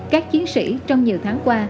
các chiến sĩ trong nhiều tháng qua